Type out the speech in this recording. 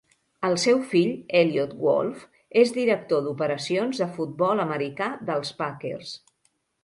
El seu fill, Eliot Wolf, és Director d'operacions de futbol americà dels Packers.